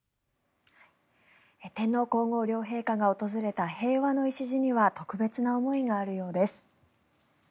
天皇・皇后両陛下が訪れた平和の礎には特別な思いがあるようです。